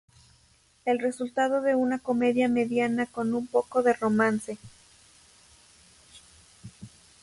El resultado es una comedia mediana, con un poco de romance.